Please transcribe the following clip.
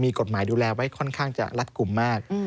มีกฎหมายดูแลไว้สำคัญจะรัดกลุ่มมาก